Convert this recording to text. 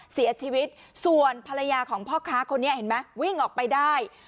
เสียชีวิตส่วนภรรยาของพ่อค้าคนนี้เห็นไหมวิ่งออกไปได้